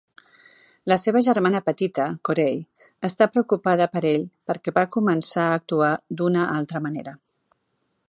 La seva germana petita, Corey, està preocupada per ell perquè va començar a actuar d'una altra manera.